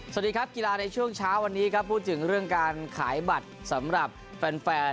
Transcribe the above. สวัสดีครับกีฬาในช่วงเช้าวันนี้ครับพูดถึงเรื่องการขายบัตรสำหรับแฟน